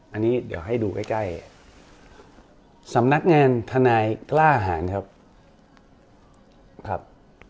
อันนี้เดี๋ยวให้ดูใกล้ใกล้สำนักงานทนายกล้าหารครับครับ